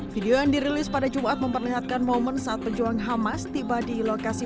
video yang dirilis pada jumat memperlihatkan momen saat pejuang hamas tiba di lokasi